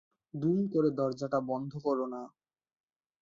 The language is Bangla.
দুম করে দরজাটা বন্ধ কোরো না।